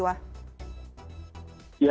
dan menelan korban jiwa